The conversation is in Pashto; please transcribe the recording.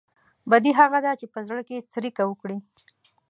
بدي هغه ده چې په زړه کې څړيکه وکړي.